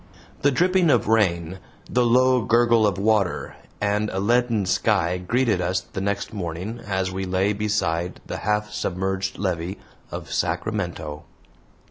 The dripping of rain, the low gurgle of water, and a leaden sky greeted us the next morning as we lay beside the half submerged levee of Sacramento.